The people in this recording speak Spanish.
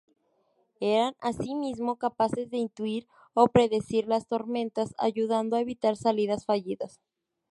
Eran asimismo capaces de intuir o predecir las tormentas, ayudando a evitar salidas fallidas.